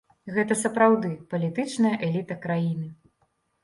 Гэта сапраўды палітычная эліта краіны.